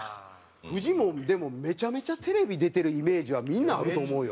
フジモンでもめちゃめちゃテレビ出てるイメージはみんなあると思うよ。